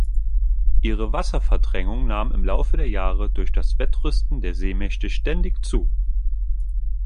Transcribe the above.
Ihre Wasserverdrängung nahm im Laufe der Jahre durch das Wettrüsten der Seemächte ständig zu.